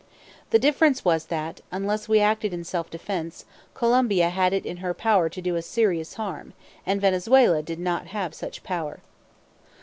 The difference was that, unless we acted in self defense, Colombia had it in her power to do us serious harm, and Venezuela did not have such power.